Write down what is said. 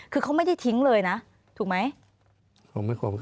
คือเขาไม่ได้ทิ้งเลยนะถูกไหม